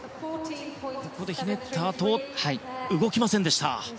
ひねったあと動きませんでした。